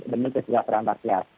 demi kesejahteraan rakyat